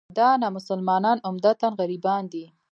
دا نامسلمانان عمدتاً غربیان دي.